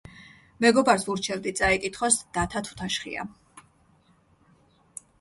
მეგობარს ვურჩევდი წაიკითხოს დათა თუთაშხია.